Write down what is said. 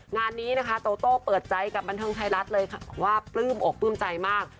งานนี้นะคะโตโต้เปิดใจกับบันเทิงไทยรัฐเลยค่ะว่าปลื้มอกปลื้มใจมาก